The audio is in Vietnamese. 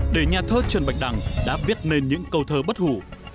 để nhà thơ trần bạch đằng đã viết nên những câu thơ bất hủ